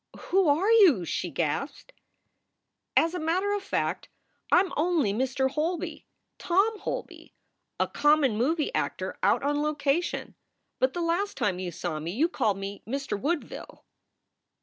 "Who are you?" she gasped. "As a matter of fact, I m only Mr. Holby, Tom Holby a common movie actor out on location. But the last time you saw me you called me Mr. Woodville."